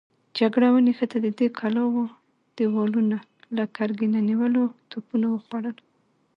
جګړه ونښته، د دې کلاوو دېوالونه له ګرګينه نيولو توپونو وخوړل.